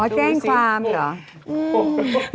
แจ้งความเหรอ